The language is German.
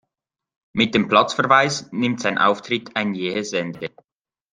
Mit dem Platzverweis nimmt sein Auftritt ein jähes Ende.